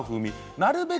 なるべく